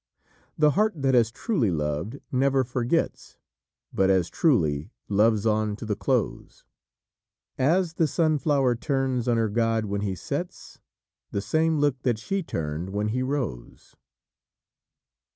"The heart that has truly loved never forgets, But as truly loves on to the close; As the sunflower turns on her god when he sets The same look that she turned when he rose."